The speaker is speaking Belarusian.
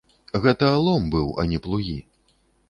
Гэта лом быў, а не плугі.